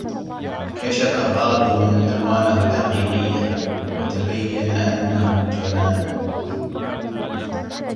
كشف فاضل ألوانه الحقيقيّة و تبيّن أنّه جبان.